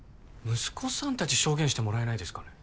息子さん達証言してもらえないですかね？